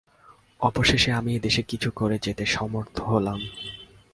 অবশেষে আমি এদেশে কিছু করে যেতে সমর্থ হলাম।